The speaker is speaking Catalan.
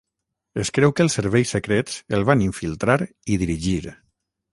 Es creu que els serveis secrets el van infiltrar i dirigir.